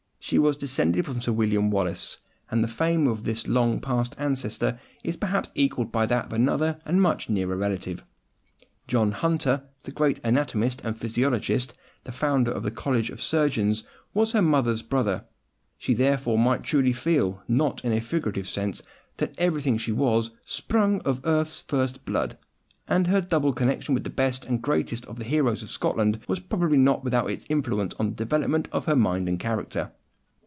She was descended from Sir William Wallace, and the fame of this long past ancestor is perhaps equalled by that of another and a much nearer relative. John Hunter, the great anatomist and physiologist, the founder of the College of Surgeons, was her mother's brother. She therefore might truly feel, not in a figurative sense, that in everything she was "sprung of earth's first blood"; and her double connection with the best and greatest of the heroes of Scotland was probably not without its influence on the development of her mind and character.